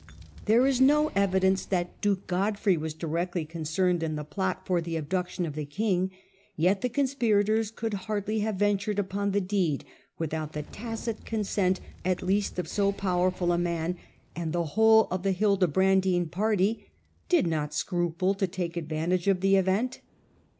There is no evidence that duke Godfrey was directly concerned in the plot for the abduction of the king, yet the conspirators could hardly have ventured upon the deed without the tacit consent at least of so powerful a man, and the whole of the Hil debrandine party did not scruple to take advantage of the event.